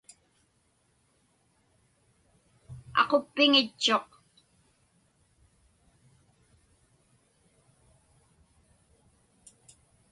Aquppiŋitchuq.